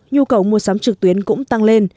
nhu cầu mua sắm trực tuyến cũng tăng lên